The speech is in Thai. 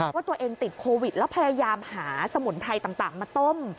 ว่าตัวเองติดโควิดแล้วพยายามหาสมุนไพรต่างมาต้ม